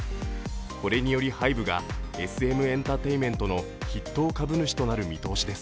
これによりＨＹＢＥがＳＭエンタテインメントの筆頭株主となる見通しです。